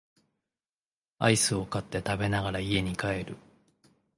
アイスを買って食べながら家に帰る